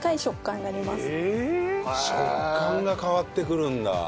食感が変わってくるんだ。